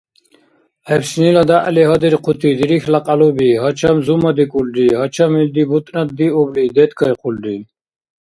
ГӀебшнила дягӀли гьадирхъути дирихьла кьялуби гьачам зумадикӀулри, гьачам илди бутӀнаддиубли, деткайхъулри.